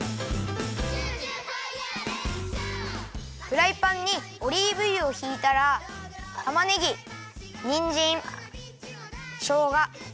フライパンにオリーブ油をひいたらたまねぎにんじんしょうが。